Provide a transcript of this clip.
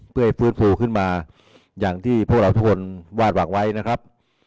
เพื่อให้ฟื้นฟูขึ้นมาอย่างที่พวกเราทุกคนวาดหวังไว้นะครับ